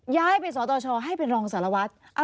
ย้ายไปสตชให้เป็นรองสารวัตร